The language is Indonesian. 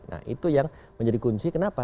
nah itu yang menjadi kunci kenapa